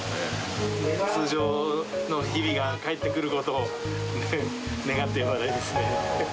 通常の日々が返ってくることを願ってやまないですね。